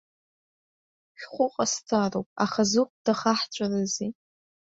Шәхәы ҟасҵароуп, аха зыхәда хаҳҵәарызеи?